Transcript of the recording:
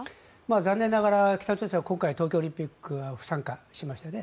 残念ながら北朝鮮は東京オリンピックに不参加しましたね。